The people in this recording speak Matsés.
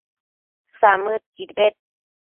samëdquid bed